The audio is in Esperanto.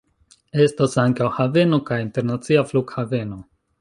Estas ankaŭ haveno kaj internacia flughaveno.